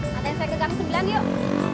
ngantain saya ke gang sembilan yuk